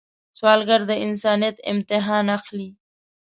سوالګر د انسانیت امتحان اخلي